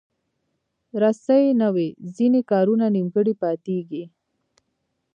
رسۍ نه وي، ځینې کارونه نیمګړي پاتېږي.